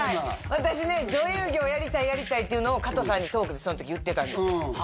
私ね女優業やりたいやりたいっていうのをかとさんにトークでその時言ってたんですよ